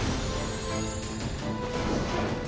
มรีเทพต่อบพี่